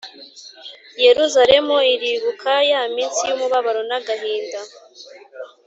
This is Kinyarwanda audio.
Yeruzalemu iribuka ya minsi y’umubabaro n’agahinda,